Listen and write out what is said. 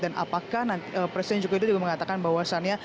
dan apakah presiden joko widodo juga mengatakan bahwasannya